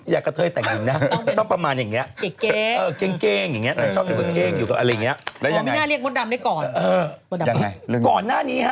อยากกะเทยแต่งยิงนะต้องประมาณอย่างนั้น